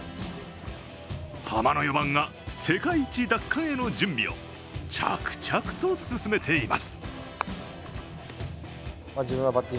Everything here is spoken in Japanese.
ハマの４番が世界一奪還への準備を着々と進めています。